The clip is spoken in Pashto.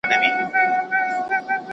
تعليم بايد ټولو ته ورسيږي.